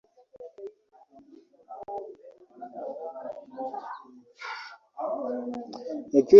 Yakyusa ebitabo by'abazira ba Budaki n'engeri zaabwe ez'enjigiriza.